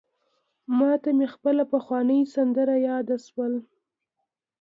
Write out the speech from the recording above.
ماته مي خپله پخوانۍ سندره یاده سوله: